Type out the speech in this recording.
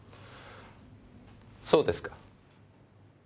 そうですか。